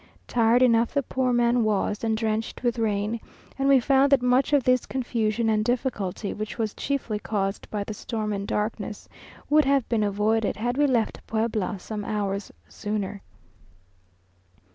Tired enough the poor man was, and drenched with rain; and we found that much of this confusion and difficulty, which was chiefly caused by the storm and darkness, would have been avoided had we left Puebla some hours sooner.